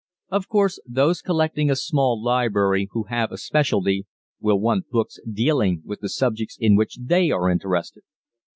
Of course, those collecting a small library who have a specialty, will want books dealing with the subjects in which they are interested.